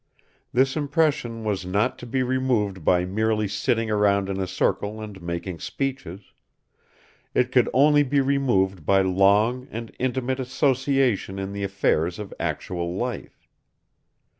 This impression was not to be removed by merely sitting around in a circle and making speeches; it could only be removed by long and intimate association in the affairs of actual life.